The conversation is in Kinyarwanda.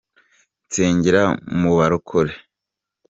nsengera muba rokore